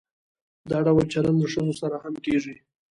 دا ډول چلند له ښځو سره هم کیږي.